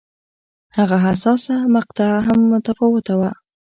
هغه حساسه مقطعه هم متفاوته وه.